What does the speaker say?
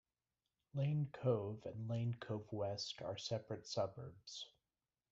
Lane Cove and Lane Cove West are separate suburbs.